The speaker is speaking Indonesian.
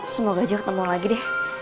semoga aja ketemu lagi deh